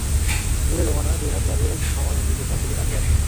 দূরে রুমানা দুই হাত বাড়িয়ে ক্ষমার ভঙ্গিতে তার দিকে তাকিয়ে আছে।